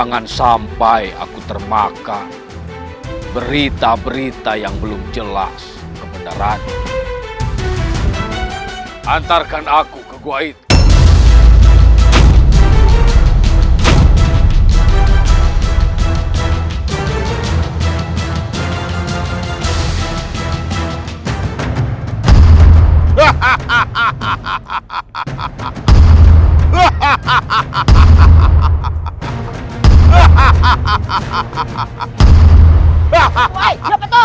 namun sampai saat ini aku belum tahu bagaimana keadaan ibunda